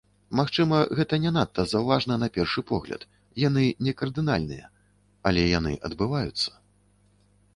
Магчыма, гэта не надта заўважна на першы погляд, яны не кардынальныя, але яны адбываюцца.